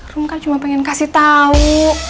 kamu kan cuma pengen kasih tahu